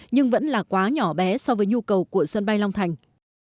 nhưng vẫn là quá nhỏ bé so với nhu cầu của sân bay long thành